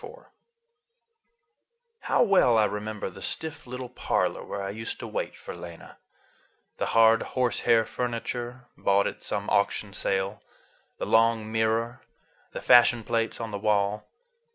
IV HOW well I remember the stiff little parlor where I used to wait for Lena: the hard horsehair furniture, bought at some auction sale, the long mirror, the fashion plates on the wall.